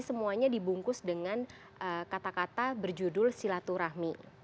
semuanya dibungkus dengan kata kata berjudul silaturahmi